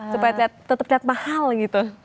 supaya tetep terlihat mahal gitu